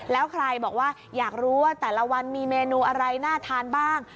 แล้วใครบอกว่าอยากรู้ว่าแต่ละวันมีเมนูอะไรน่าทานบ้าง